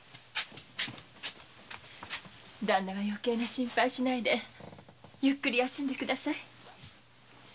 ダンナは余計な心配しないでゆっくり休んでください。